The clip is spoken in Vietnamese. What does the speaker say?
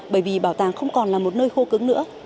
bởi vì bảo tàng không còn là một nơi khô cứng nữa